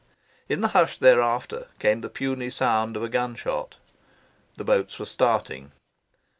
In the hush thereafter, came the puny sound of a gunshot. The boats were starting.